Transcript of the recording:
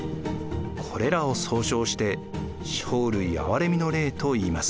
これらを総称して生類憐みの令といいます。